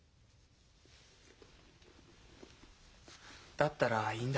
だったらいいんだ。